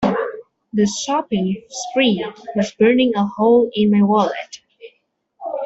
The shopping spree was burning a hole in my wallet.